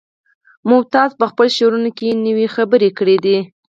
ممتاز په خپلو شعرونو کې نوې خبرې کړي دي